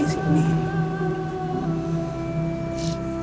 jangan menimbul irieran